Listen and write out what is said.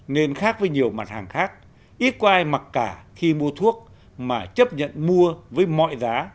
nên khác với nhiều mặt hàng khác ít có ai mặc cả khi mua thuốc mà chấp nhận mua với mọi giá